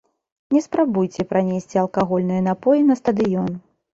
Не спрабуйце пранесці алкагольныя напоі на стадыён.